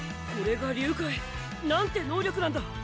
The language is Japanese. これが龍解なんて能力なんだ。